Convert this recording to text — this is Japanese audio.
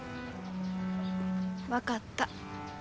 分かった。